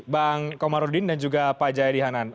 bang komarudin dan juga pak jayadi hanan